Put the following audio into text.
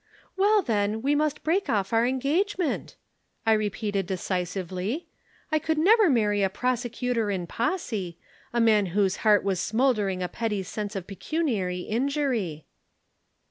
"'Well, then, we must break off our engagement,' I repeated decisively. 'I could never marry a prosecutor in posse a man in whose heart was smouldering a petty sense of pecuniary injury.'